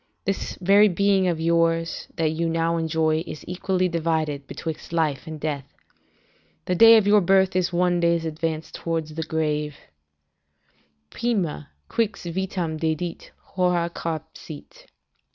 This very being of yours that you now enjoy is equally divided betwixt life and death. The day of your birth is one day's advance towards the grave: "Prima, qux vitam dedit, hora carpsit."